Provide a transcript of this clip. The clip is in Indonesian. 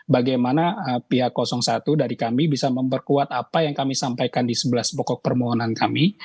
bagaimana pihak satu dari kami bisa memperkuat apa yang kami sampaikan di sebelah pokok permohonan kami